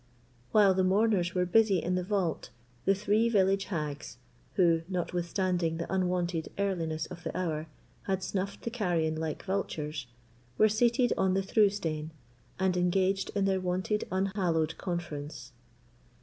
While the mourners were busy in the vault, the three village hags, who, notwithstanding the unwonted earliness of the hour, had snuffed the carrion like vultures, were seated on the "through stane," and engaged in their wonted unhallowed conference.